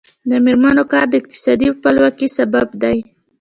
د میرمنو کار د اقتصادي خپلواکۍ سبب دی.